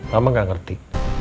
mama gak ngerti